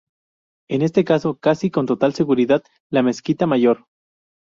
En este caso, casi con total seguridad, la mezquita mayor.